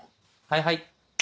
はいはい。